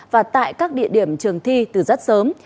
và tại các địa điểm trường thi từ rất sớm